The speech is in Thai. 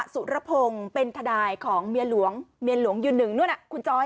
สุดระพงเป็นถสังของเหมียหลวงหลวงยุน๑นั่นอ่ะคุณจ้อยอ่ะ